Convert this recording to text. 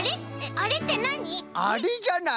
あれじゃない。